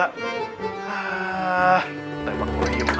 bahagian bekas musiknya